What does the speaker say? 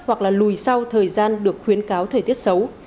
hoặc là lùi sau thời gian được khuyến cáo thời tiết xấu